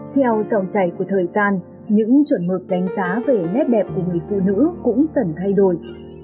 theo dòng chảy của thời gian những chuẩn mực đánh giá về nét đẹp của người phụ nữ cũng dần thay đổi